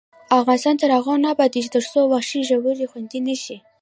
افغانستان تر هغو نه ابادیږي، ترڅو وحشي ژوي خوندي نشي.